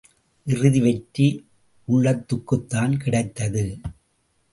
இறுதி வெற்றி உள்ளத்துக்குத்தான் கிடைத்தது.